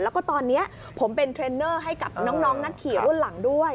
แล้วก็ตอนนี้ผมเป็นเทรนเนอร์ให้กับน้องนักขี่รุ่นหลังด้วย